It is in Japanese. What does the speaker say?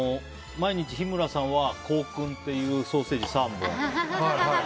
毎日日村さんは香薫っていうソーセージを３本。